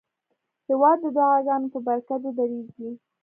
هېواد د دعاګانو په برکت ودریږي.